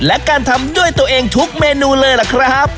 และการทำด้วยตัวเองทุกเมนูเลยล่ะครับ